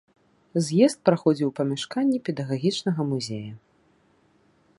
З'езд праходзіў у памяшканні педагагічнага музея.